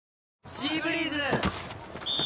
「シーブリーズ」！